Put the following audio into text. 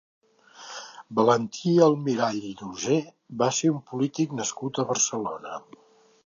Valentí Almirall i Llozer va ser un polític nascut a Barcelona.